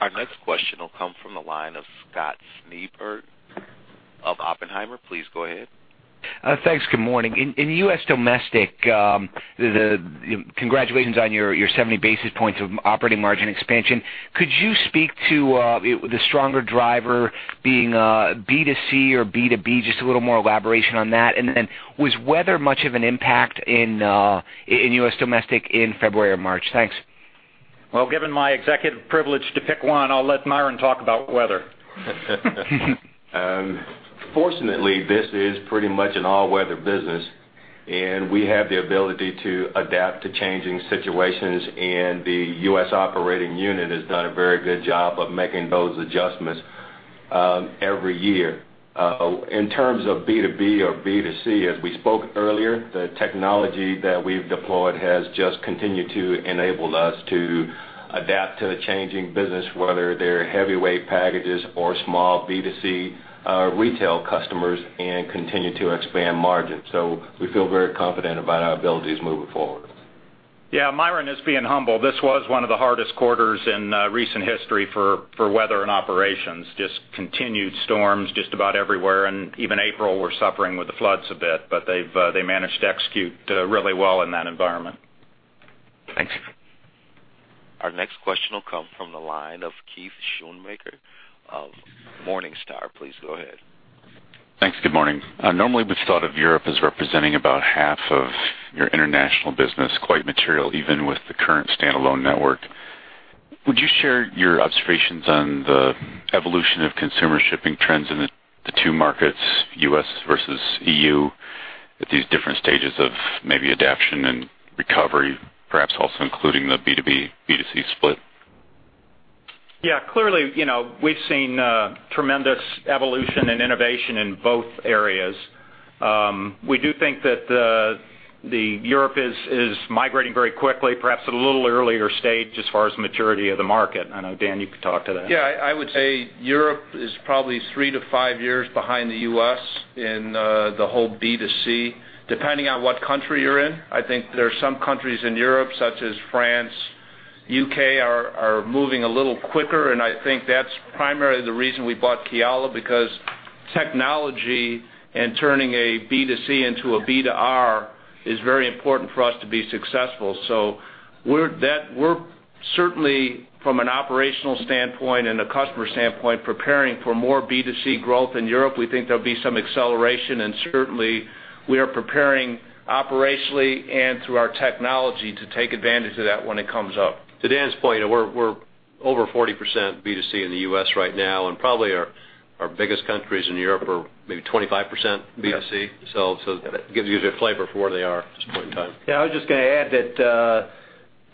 Our next question will come from the line of Scott Schneeberger of Oppenheimer. Please go ahead. Thanks. Good morning. In U.S. Domestic, congratulations on your 70 basis points of operating margin expansion. Could you speak to the stronger driver being B2C or B2B? Just a little more elaboration on that. And then, was weather much of an impact in U.S. Domestic in February or March? Thanks. Well, given my executive privilege to pick one, I'll let Myron talk about weather. Fortunately, this is pretty much an all-weather business, and we have the ability to adapt to changing situations, and the U.S. operating unit has done a very good job of making those adjustments, every year. In terms of B2B or B2C, as we spoke earlier, the technology that we've deployed has just continued to enable us to adapt to the changing business, whether they're heavyweight packages or small B2C, retail customers, and continue to expand margins. So we feel very confident about our abilities moving forward.... Yeah, Myron is being humble. This was one of the hardest quarters in, recent history for, for weather and operations. Just continued storms just about everywhere, and even April, we're suffering with the floods a bit, but they've, they managed to execute, really well in that environment. Thanks. Our next question will come from the line of Keith Schoonmaker of Morningstar. Please go ahead. Thanks. Good morning. Normally, we've thought of Europe as representing about half of your international business, quite material, even with the current standalone network. Would you share your observations on the evolution of consumer shipping trends in the two markets, US versus EU, at these different stages of maybe adoption and recovery, perhaps also including the B2B, B2C split? Yeah, clearly, you know, we've seen tremendous evolution and innovation in both areas. We do think that the, the Europe is, is migrating very quickly, perhaps at a little earlier stage as far as maturity of the market. I know, Dan, you could talk to that. Yeah, I would say Europe is probably 3-5 years behind the U.S. in the whole B2C, depending on what country you're in. I think there are some countries in Europe, such as France, U.K., are moving a little quicker, and I think that's primarily the reason we bought Kiala, because technology and turning a B2C into a B2R is very important for us to be successful. So we're certainly, from an operational standpoint and a customer standpoint, preparing for more B2C growth in Europe. We think there'll be some acceleration, and certainly, we are preparing operationally and through our technology to take advantage of that when it comes up. To Dan's point, we're, we're over 40% B2C in the U.S. right now, and probably our, our biggest countries in Europe are maybe 25% B2C. Yeah. So, it gives you a flavor for where they are at this point in time. Yeah, I was just going to add that,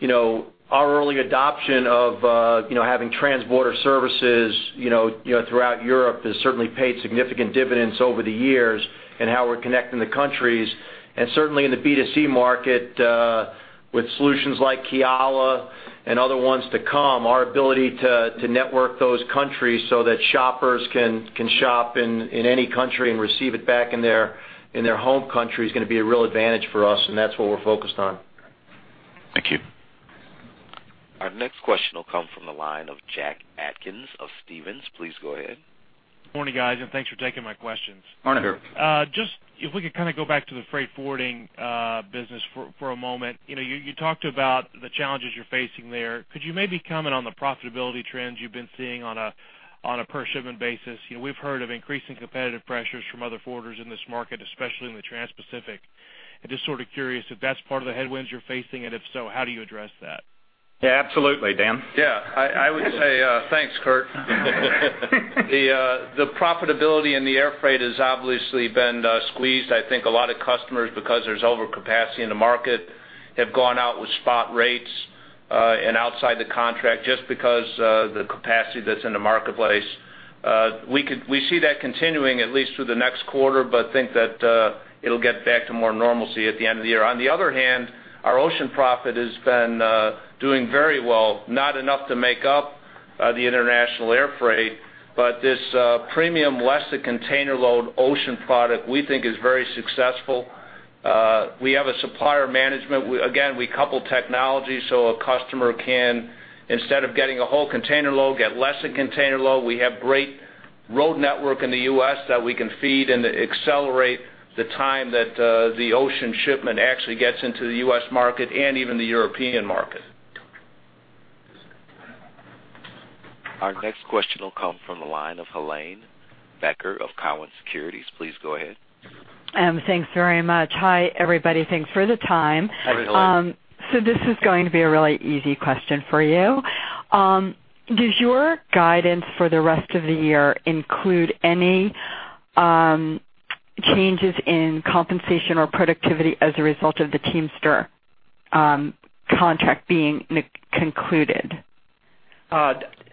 you know, our early adoption of, you know, having transborder services, you know, you know, throughout Europe has certainly paid significant dividends over the years and how we're connecting the countries, and certainly in the B2C market, with solutions like Kiala and other ones to come, our ability to network those countries so that shoppers can shop in any country and receive it back in their home country is going to be a real advantage for us, and that's what we're focused on. Thank you. Our next question will come from the line of Jack Atkins of Stephens. Please go ahead. Morning, guys, and thanks for taking my questions. Morning. Hi, there. Just if we could kind of go back to the freight forwarding business for a moment. You know, you talked about the challenges you're facing there. Could you maybe comment on the profitability trends you've been seeing on a per-shipment basis? You know, we've heard of increasing competitive pressures from other forwarders in this market, especially in the Transpacific. I'm just sort of curious if that's part of the headwinds you're facing, and if so, how do you address that? Yeah, absolutely, Dan? Yeah, I, I would say, thanks, Kurt. The profitability in the air freight has obviously been squeezed. I think a lot of customers, because there's overcapacity in the market, have gone out with spot rates, and outside the contract, just because, the capacity that's in the marketplace. We see that continuing at least through the next quarter, but think that, it'll get back to more normalcy at the end of the year. On the other hand, our ocean profit has been doing very well, not enough to make up, the international air freight, but this, premium less-than-container-load ocean product, we think is very successful. We have a supplier management. We, again, couple technology, so a customer can, instead of getting a whole container load, get less than container load. We have great road network in the U.S. that we can feed and accelerate the time that the ocean shipment actually gets into the U.S. market and even the European market. Our next question will come from the line of Helane Becker of Cowen. Please go ahead. Thanks very much. Hi, everybody. Thanks for the time. Hi, Helane. So this is going to be a really easy question for you. Does your guidance for the rest of the year include any changes in compensation or productivity as a result of the Teamsters contract being concluded?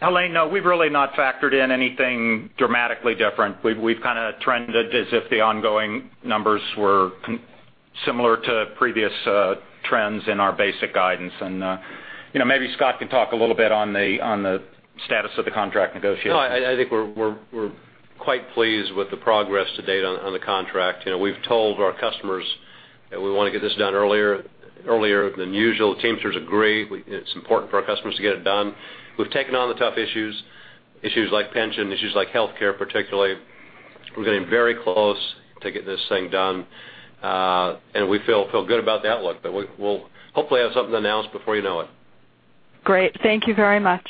Helane, no, we've really not factored in anything dramatically different. We've kind of trended as if the ongoing numbers were similar to previous trends in our basic guidance. You know, maybe Scott can talk a little bit on the status of the contract negotiations. No, I think we're quite pleased with the progress to date on the contract. You know, we've told our customers that we want to get this done earlier than usual. Teamsters agree. It's important for our customers to get it done. We've taken on the tough issues, issues like pension, issues like healthcare, particularly. We're getting very close to getting this thing done, and we feel good about the outlook, but we'll hopefully have something to announce before you know it. Great. Thank you very much.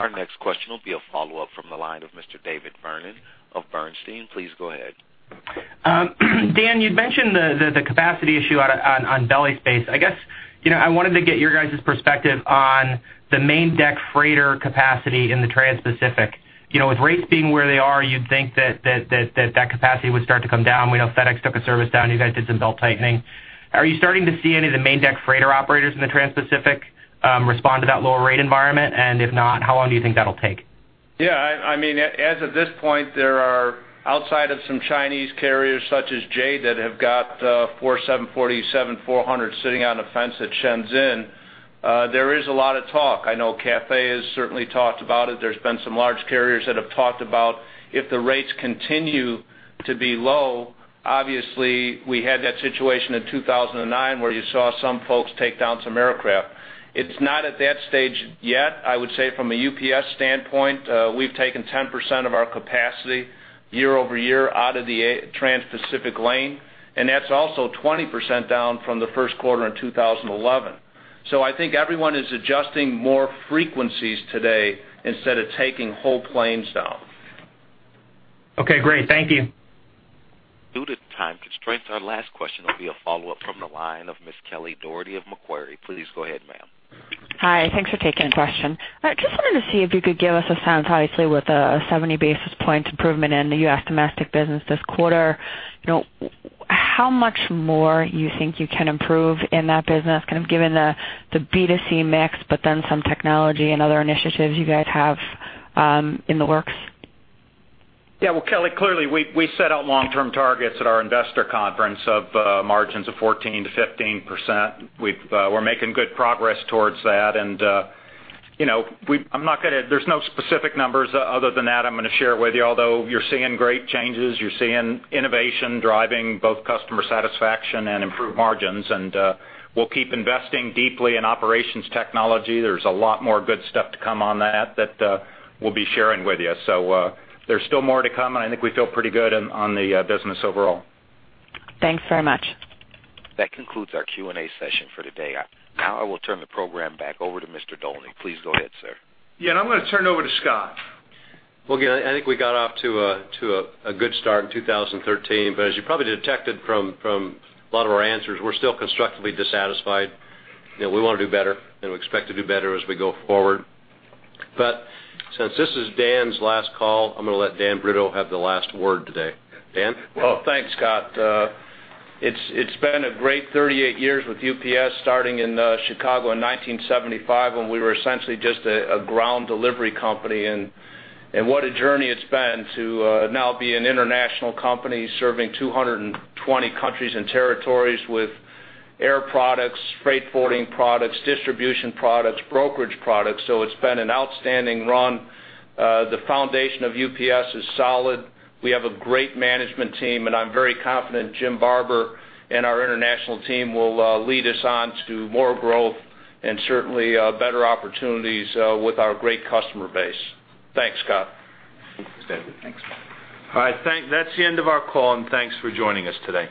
Our next question will be a follow-up from the line of Mr. David Vernon of Bernstein. Please go ahead. Dan, you'd mentioned the capacity issue on belly space. I guess, you know, I wanted to get your guys' perspective on the main deck freighter capacity in the Transpacific. You know, with rates being where they are, you'd think that capacity would start to come down. We know FedEx took a service down. You guys did some belt-tightening. Are you starting to see any of the main deck freighter operators in the Transpacific respond to that lower rate environment? And if not, how long do you think that'll take? Yeah, I mean, as of this point, there are outside of some Chinese carriers, such as Jade, that have got 747, 747 sitting on the fence at Shenzhen, there is a lot of talk. I know Cathay has certainly talked about it. There's been some large carriers that have talked about if the rates continue to be low. Obviously, we had that situation in 2009, where you saw some folks take down some aircraft. It's not at that stage yet. I would say from a UPS standpoint, we've taken 10% of our capacity year-over-year out of the A-Transpacific lane, and that's also 20% down from the first quarter in 2011. So I think everyone is adjusting more frequencies today instead of taking whole planes down. Okay, great. Thank you. Due to time constraints, our last question will be a follow-up from the line of Ms. Kelly Dougherty of Macquarie. Please go ahead, ma'am. Hi. Thanks for taking the question. I just wanted to see if you could give us a sense, obviously, with a 70 basis points improvement in the U.S. domestic business this quarter, you know, how much more you think you can improve in that business, kind of given the B2C mix, but then some technology and other initiatives you guys have, in the works? Yeah. Well, Kelly, clearly, we set out long-term targets at our investor conference of margins of 14%-15%. We're making good progress towards that. And, you know, I'm not gonna. There's no specific numbers other than that I'm gonna share with you, although you're seeing great changes, you're seeing innovation driving both customer satisfaction and improved margins. And, we'll keep investing deeply in operations technology. There's a lot more good stuff to come on that, that we'll be sharing with you. So, there's still more to come, and I think we feel pretty good on the business overall. Thanks very much. That concludes our Q&A session for today. Now, I will turn the program back over to Mr. Dolan. Please go ahead, sir. Yeah, and I'm gonna turn it over to Scott. Well, again, I think we got off to a good start in 2013, but as you probably detected from a lot of our answers, we're still constructively dissatisfied. You know, we want to do better, and we expect to do better as we go forward. But since this is Dan's last call, I'm going to let Dan Brutto have the last word today. Dan? Well, thanks, Scott. It's been a great 38 years with UPS, starting in Chicago in 1975, when we were essentially just a ground delivery company. And what a journey it's been to now be an international company serving 220 countries and territories with air products, freight forwarding products, distribution products, brokerage products. So it's been an outstanding run. The foundation of UPS is solid. We have a great management team, and I'm very confident Jim Barber and our international team will lead us on to more growth and certainly better opportunities with our great customer base. Thanks, Scott. Thanks, Dan. Thanks. All right, that's the end of our call, and thanks for joining us today.